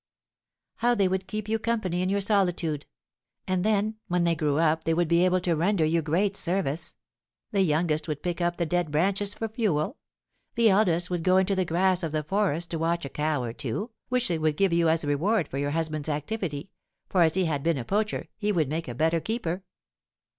"How they would keep you company in your solitude! And, then, when they grew up they would be able to render you great service: the youngest would pick up the dead branches for fuel; the eldest would go into the grass of the forest to watch a cow or two, which they would give you as a reward for your husband's activity, for as he had been a poacher he would make a better keeper."